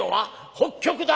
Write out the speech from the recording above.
「北極だ！